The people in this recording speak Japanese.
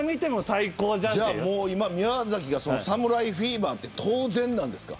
今、宮崎が侍フィーバーなのは当然ですか。